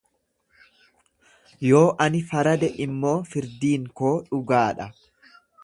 Yoo ani farade immoo firdiin koo dhugaa dha.